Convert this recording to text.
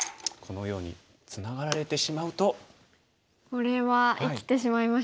これは生きてしまいましたね。